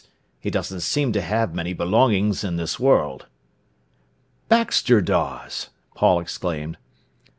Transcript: He doesn't seem to have many belongings in this world." "Baxter Dawes!" Paul exclaimed.